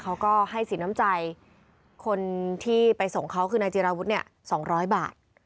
เขาก็ให้สินน้ำใจคนที่ไปส่งเขาคือนายจิราวุฒิเนี่ย๒๐๐บาท